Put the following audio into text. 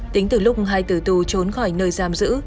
tính từ lúc hai tử tù trốn khỏi nơi giam giữ